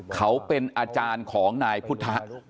เขาเป็นอาจารย์ของนายพุทธะ